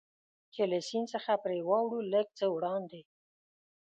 چې له سیند څخه پرې واوړو، لږ څه وړاندې.